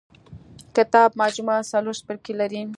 کتاب مجموعه څلور څپرکي لري.